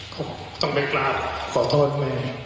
ก็ต้องไปกล้าขอโทษแม่